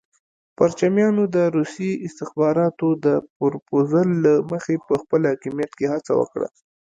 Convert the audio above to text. پرچمیانو د روسي استخباراتو د پرپوزل له مخې په خپل حاکمیت کې هڅه وکړه.